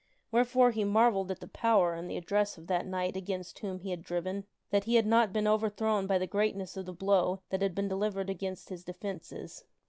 Wherefore he marvelled at the power and the address of that knight against whom he had driven, that he had not been overthrown by the greatness of the blow that had been delivered against his defences.